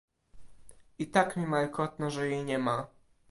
"I tak mi markotno, że jej nie ma."